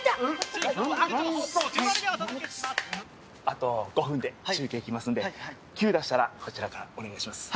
あと５分で中継来ますんでキュー出したらこちらからお願いします。